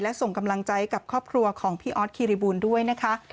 และส่งกำลังใจกับครอบครัวของพี่ออสคิริบูลด้วยนะคะ